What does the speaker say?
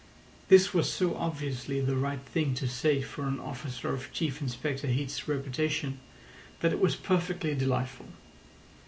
This was so obviously the right thing to say for an officer of Chief Inspector Heat's reputation that it was perfectly delightful.